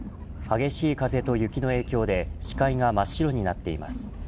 激しい風と雪の影響で視界が真っ白になっています。